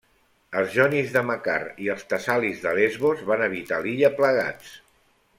Els jonis de Macar i els tessalis de Lesbos van habitar l'illa plegats.